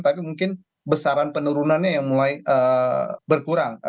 tapi mungkin besaran penurunannya yang mulai berkurang